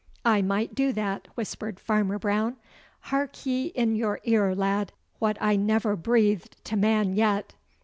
'I might do that,' whispered Farmer Brown. 'Hark ye in your ear, lad, what I never breathed to man yet.